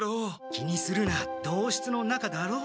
気にするな同室のなかだろう。